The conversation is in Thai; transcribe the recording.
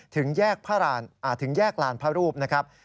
ถึงแยกลานพระรูปนะครับ